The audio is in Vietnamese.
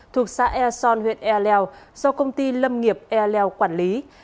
thuộc xã airson huyện e leo do công ty lâm nghiệp e leo quản lý